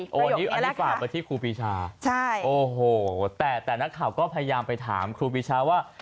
อันนี้ฝากไปที่ครูปีชาโอ้โหแต่นักข่าวก็พยายามไปถามครูปีชาว่า